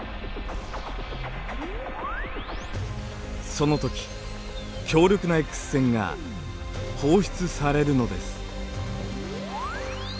そのとき強力なＸ線が放出されるのです。